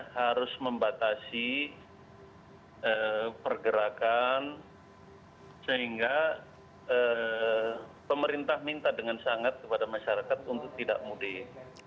harus membatasi pergerakan sehingga pemerintah minta dengan sangat kepada masyarakat untuk tidak mudik